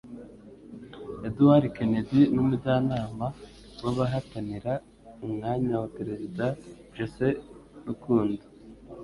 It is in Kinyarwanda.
Edward Kennedy n'umujyanama w'abahatanira umwanya wa perezida Jesse Rukundo